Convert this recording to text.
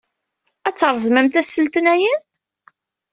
Ad treẓmemt ass n letniyen?